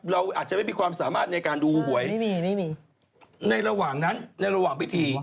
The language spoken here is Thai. เราอาจจะไม่มีความสามารถในการดูหวยไม่มีไม่มีในระหว่างนั้นในระหว่างพิธี